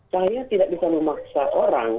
saya tidak bisa memaksa orang